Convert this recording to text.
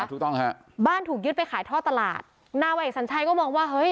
ถูกต้องฮะบ้านถูกยึดไปขายท่อตลาดนาวเอกสัญชัยก็มองว่าเฮ้ย